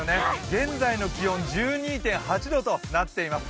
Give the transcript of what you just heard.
現在の気温２２．８度となっています。